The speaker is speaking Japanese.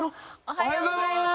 おはようございます。